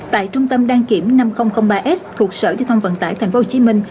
tại trung tâm đăng kiểm năm nghìn ba s thuộc sở thông vận tải thành phố hồ chí minh